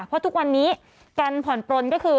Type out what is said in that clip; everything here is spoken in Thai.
เพราะทุกวันนี้การผ่อนปลนก็คือ